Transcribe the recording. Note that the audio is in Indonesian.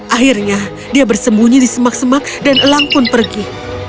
akhirnya dia bersembunyi di semak semak dan elang pun pergi